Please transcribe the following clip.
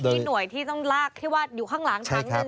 มีหน่วยที่ต้องลากที่ว่าอยู่ข้างหลังช้าง